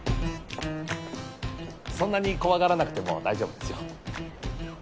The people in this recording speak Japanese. そんなに怖がらなくても大丈夫ですよ